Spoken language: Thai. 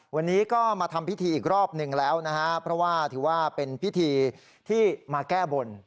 วันนี้ก็มาทำพิธีอีกรอบหนึ่งแล้วนะฮะเพราะว่าถือว่าเป็นพิธีที่มาแก้บน